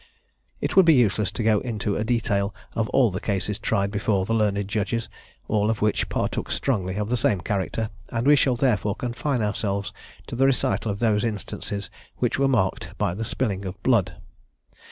It would be useless to go into a detail of all the cases tried before the learned judges, all of which partook strongly of the same character, and we shall therefore confine ourselves to the recital of those instances which were marked by the spilling of blood.